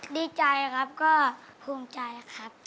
ดีใจครับก็ภูมิใจครับ